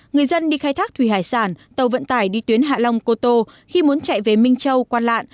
người dân đi khai thác thuyền hải sản tàu vận tài đi tuyến hạ long cô tô khi muốn chạy về minh châu quan lạn